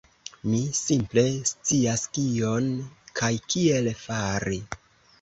Mi simple scias kion kaj kiel fari.